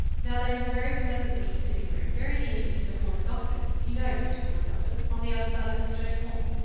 Now, there is a very pleasant little sitting room very near to Mr. Horner's office (you know Mr. Horner's office—on the other side of the stone hall?)